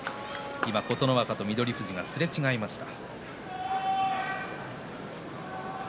今、琴ノ若と翠富士がすれ違いました。